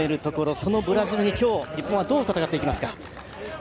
そのブラジルに今日、日本はどう戦っていきますか。